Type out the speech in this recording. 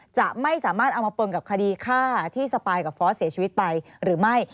จะไม่สามารถเอามาปนกับคดีฆ่าที่สปายกับฟอสเสียชีวิตไปหรือไม่